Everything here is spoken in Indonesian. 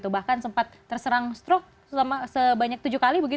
bahkan sempat terserang stroke sebanyak tujuh kali begitu